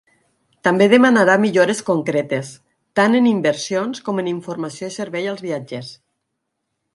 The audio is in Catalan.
També demanarà millores concretes, tant en inversions com en informació i serveis als viatgers.